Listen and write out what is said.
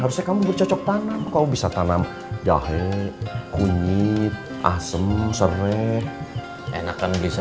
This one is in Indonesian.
harusnya kamu bercocok tanam kau bisa tanam jahe kunyit asem serai enakan bisa